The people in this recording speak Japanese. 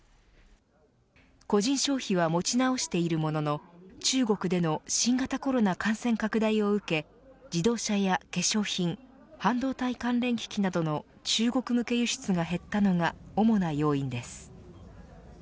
個人消費は持ち直しているものの中国での新型コロナ感染拡大を受け自動車や化粧品半導体関連機器などの中国向け輸出が減ったのが主な要因です。